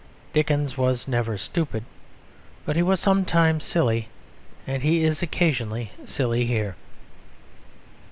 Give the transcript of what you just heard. Dickens was never stupid, but he was sometimes silly; and he is occasionally silly here.